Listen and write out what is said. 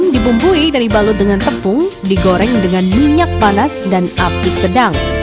dibumbui dan dibalut dengan tepung digoreng dengan minyak panas dan api sedang